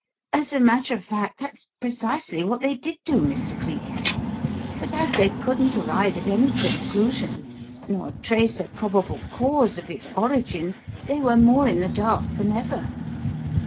"As a matter of fact, that's precisely what they did do, Mr. Cleek. But as they couldn't arrive at any conclusion nor trace a probable cause of its origin they were more in the dark than ever.